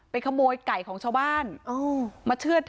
ไปโบกรถจักรยานยนต์ของชาวอายุขวบกว่าเองนะคะ